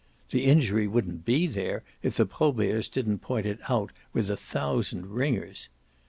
The injury wouldn't be there if the Proberts didn't point to it with a thousand ringers.